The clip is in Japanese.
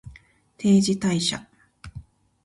定時退社